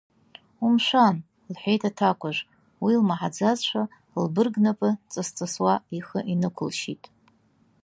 Умшәан, — лҳәеит аҭакәажә, уи лмаҳаӡазшәа, лбырг-напы ҵысҵысуа ихы инықәылшьит.